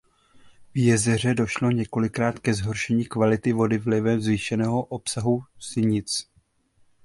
V jezeře došlo několikrát ke zhoršení kvality vody vlivem zvýšeného obsahu sinic.